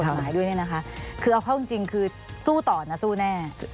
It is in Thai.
หมายด้วยเนี่ยนะคะคือเอาเข้าจริงคือสู้ต่อนะสู้แน่